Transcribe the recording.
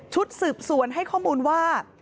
ชุดสืบสวนให้ข้อมูลว่า